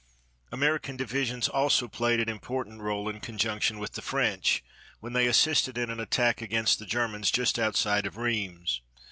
American divisions also played an important rôle in conjunction with the French when they assisted in an attack against the Germans just outside of Rheims.